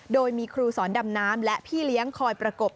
โดยมีครูสอนดำน้ำและพี่เลี้ยงคอยประกบ